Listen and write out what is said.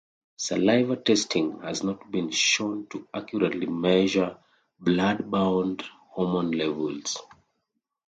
Saliva testing has not been shown to accurately measure blood-bound hormone levels.